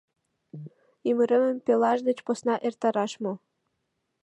Ӱмыремым пелаш деч посна эртараш мо?»